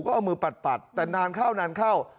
ก็เอามือปัดแต่นานเข้านานเข้า